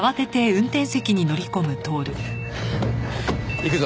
行くぞ。